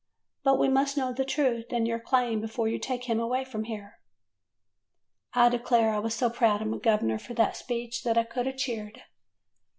But we must know the truth and your claim before you take him away from here.' "I declare I was so proud of the gov'ner for that speech that I could have cheered.